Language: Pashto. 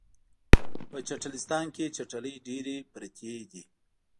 په چټلستان کې چټلۍ ډیرې پراتې دي